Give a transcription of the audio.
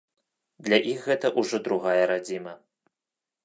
Для іх гэта ўжо другая радзіма.